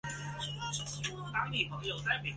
米诺斯王的妻子帕斯菲可能是塔罗斯的女儿。